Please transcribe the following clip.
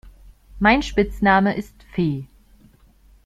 Mein Spitzname ist Fee.